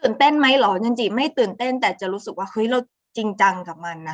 ตื่นเต้นไหมหรอจริงไม่ตื่นเต้นแต่จะรู้สึกว่าเราจริงจังกับมันนะคะ